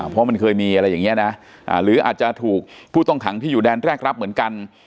เพราะมันเคยมีอะไรอย่างนี้นะหรืออาจจะถูกผู้ต้องขังที่อยู่แดนแรกรับเหมือนกัน